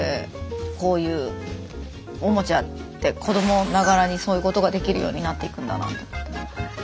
こういうオモチャって子どもながらにそういうことができるようになっていくんだなと思った。